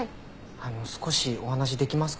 あの少しお話できますか？